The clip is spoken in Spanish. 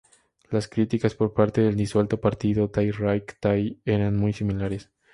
Las críticas por parte del disuelto partido, Thai Rak Thai eran muy similares.